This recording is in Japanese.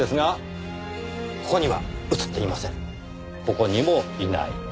ここにもいない。